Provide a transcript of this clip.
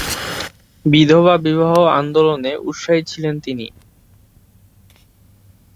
বিধবা বিবাহ আন্দোলনে উৎসাহী ছিলেন তিনি।